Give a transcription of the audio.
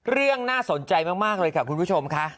น่าสนใจมากเลยค่ะคุณผู้ชมค่ะ